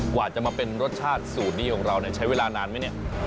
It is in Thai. กว่าจะมาเป็นรสชาติสูตรนี้ของเราใช้เวลานานไหมเนี่ย